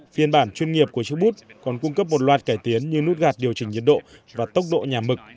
phiên bản chuyên nghiệp của chiếc bút còn cung cấp một loạt cải tiến như nút gạt điều chỉnh nhiệt độ và tốc độ nhà mực